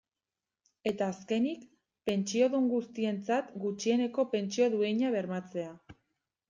Eta azkenik, pentsiodun guztientzat gutxieneko pentsio duina bermatzea.